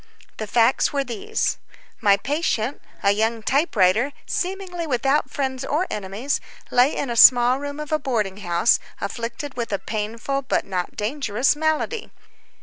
The facts were these: My patient, a young typewriter, seemingly without friends or enemies, lay in a small room of a boarding house, afflicted with a painful but not dangerous malady.